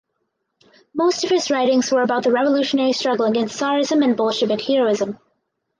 Most of his writings were about the revolutionary struggle against tsarism and Bolshevik heroism.